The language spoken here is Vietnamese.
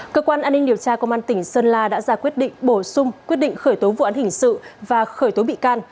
cơ quan an ninh điều tra công an tỉnh sơn la đã ra quyết định bổ sung quyết định khởi tố vụ án hình sự và khởi tố bị can